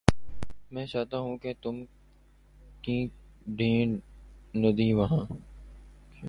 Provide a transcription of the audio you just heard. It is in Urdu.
میں چاہتا ہیںں کہ تم تم کیں ڈھیںنڈیں وہاں